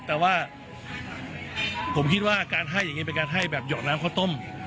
แต่ว่าผมคิดว่าการให้อย่างนี้เป็นการให้แบบหอดน้ำข้าวต้ม